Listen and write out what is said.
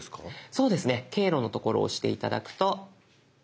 そうですね「経路」の所を押して頂くと。